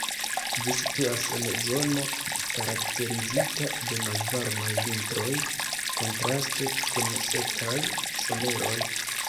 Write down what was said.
Ĝi situas en zono karakterizita de malvarmaj vintroj, kontraste kun sekaj someroj.